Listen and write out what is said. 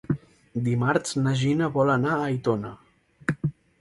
Dimarts na Gina vol anar a Aitona.